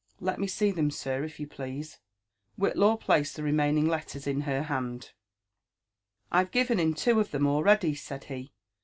Let me see them, sir, if you please. Whillaw placed the remaining letters in her hand. " I've given in two of them already," said he.